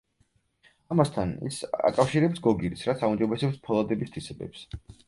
ამასთან, ის აკავშირებს გოგირდს, რაც აუმჯობესებს ფოლადების თვისებებს.